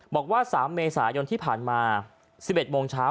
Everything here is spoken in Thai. บอกว่า๓เมษายนที่ผ่านมา๑๑โมงเช้า